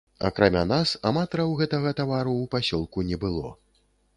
Акрамя нас аматараў гэтага тавару ў пасёлку не было.